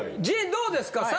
陣どうですか？